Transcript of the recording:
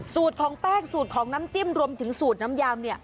สูตรของแป้งสูตรของน้ำจิ้มรวมถึงสูตรน้ำยำ